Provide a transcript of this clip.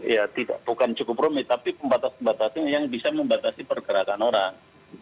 ya bukan cukup rumit tapi pembatasan pembatasan yang bisa membatasi pergerakan orang